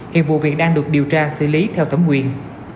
hiện vụ việc đang được điều tra xử lý theo tấm nguyện